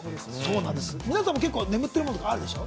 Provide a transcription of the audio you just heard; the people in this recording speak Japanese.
皆さんも結構眠ってるものあるでしょ？